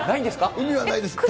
海はないです。